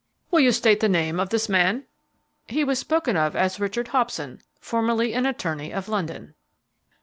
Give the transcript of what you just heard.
"Will you state the name of this man?" "He was spoken of as Richard Hobson, formerly an attorney, of London."